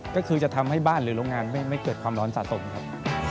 ก็คือจะทำให้บ้านหรือโรงงานไม่เกิดความร้อนสะสมครับ